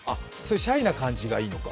シャイな感じがいいのか。